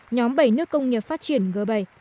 nhóm bảy nước công nghiệp phát triển g bảy